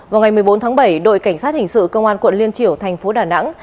vào ngày một mươi bốn tháng bảy đội cảnh sát hình sự công an quận liên triểu thành phố đà nẵng